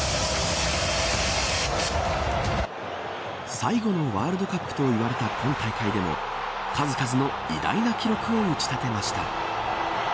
最後のワールドカップといわれた今大会でも数々の偉大な記録を打ち立てました。